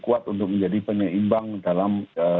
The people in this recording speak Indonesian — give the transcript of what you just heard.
kuat untuk menjadi penyeimbang dalam